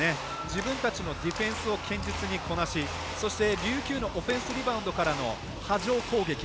自分たちのディフェンスを堅実にこなしそして、琉球のオフェンスリバウンドからの波状攻撃。